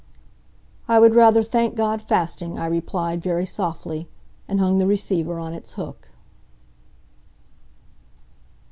"I would rather thank God fasting," I replied, very softly, and hung the receiver on its hook.